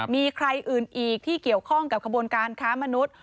มีใครอื่นอีกที่เกี่ยวข้องกับขบวนการค้ามนุษย์